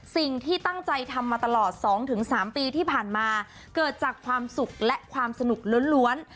สิ่งที่ตั้งใจทำมาตลอด๒๓ปีที่ผ่านมาเกิดจากความสุขและความสนุกล้วน